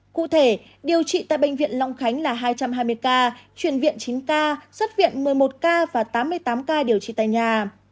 cụ thể điều trị tại bệnh viện long khánh là hai trăm hai mươi ca chuyển viện chín ca xuất viện một mươi một ca và tám mươi tám ca điều trị tại nhà